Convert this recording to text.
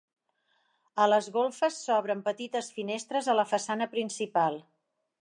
A les golfes s'obren petites finestres a la façana principal.